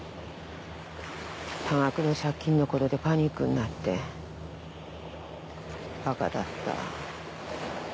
多額の借金のことでパニックになって馬鹿だった。